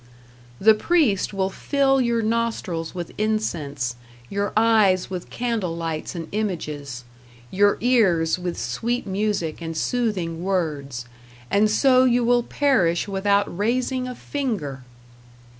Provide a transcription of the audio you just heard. The priest will fill your nostrils with incense, your eyes with candle lights and images, your ears with sweet music and soothing words; and so you will perish without raising a finger!